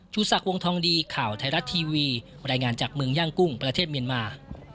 สักวงทองดีข่าวไทยรัฐทีวีรายงานจากเมืองย่างกุ้งประเทศเมียนมา